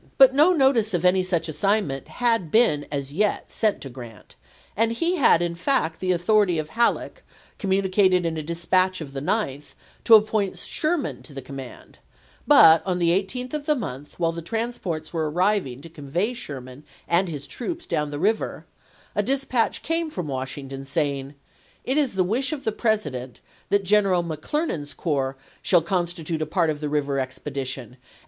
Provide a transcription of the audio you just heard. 1 But no notice of such assignment had been as yet sent to Grant, and he had, in fact, the authority of Halleck, communi cated in a dispatch of the 9th, to appoint Sherman to the command ; but, on the 18th of the month, while the transports were arriving to convey Sher man and his troops down the river, a dispatch came from Washington saying, "It is the wish of Haiieck ^ne President that General McClernand's corps Dec^S?' snaU constitute a part of the river expedition, and vol.'